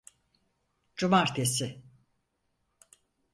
Cumartesi?